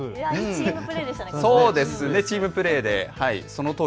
チームプレーですね。